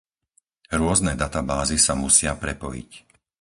Rôzne databázy sa musia prepojiť.